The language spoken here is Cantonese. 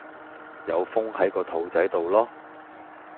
有風係個肚仔到囉